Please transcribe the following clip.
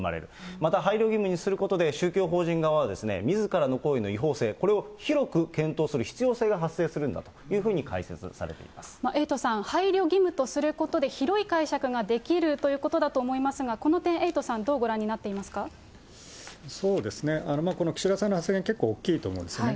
また配慮義務にすることで、宗教法人側は、みずからの行為の違法性、これを広く検討する必要性が発生するんだというふうに解説されてエイトさん、配慮義務とすることで、広い解釈ができるということだと思いますが、この点、エイトさん、そうですね、この岸田さんの発言、結構、大きいと思うんですね。